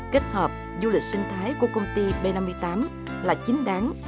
kết hợp du lịch sinh thái của công ty b năm mươi tám là chính đáng